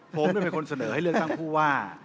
ผมเป็นคนเสนอให้เลือกตั้งผู้ว่า